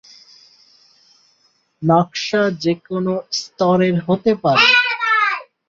নকশা যে কোনো স্তরের হতে পারে।